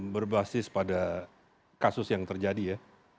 berbasis pada kasus yang terjadi ya